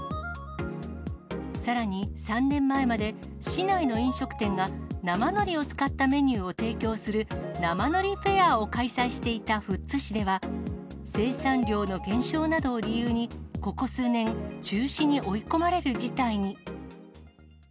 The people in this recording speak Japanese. さらに、３年前まで市内の飲食店が生のりを使ったメニューを提供する、生のりフェアを開催していた富津市では、生産量の減少などを理由に、ここ数年、中止に追い込まれる事態に。